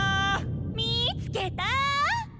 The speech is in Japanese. みつけたぁ！